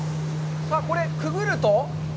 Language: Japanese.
さあ、これ、くぐると？